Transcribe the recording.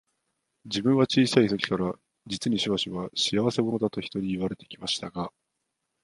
自分は小さい時から、実にしばしば、仕合せ者だと人に言われて来ましたが、